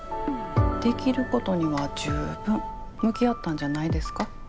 できることには十分向き合ったんじゃないですか？